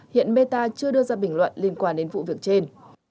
hiện meta chưa đưa ra bình luận liên quan đến vụ việc trên